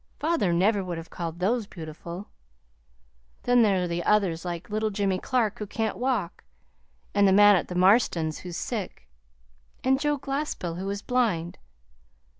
Father never would have called those beautiful. Then there are others like little Jimmy Clark who can't walk, and the man at the Marstons' who's sick, and Joe Glaspell who is blind.